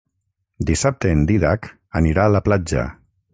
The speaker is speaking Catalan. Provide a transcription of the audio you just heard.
Dissabte en Dídac anirà a la platja.